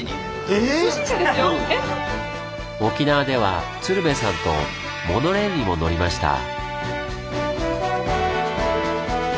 沖縄では鶴瓶さんとモノレールにも乗りました。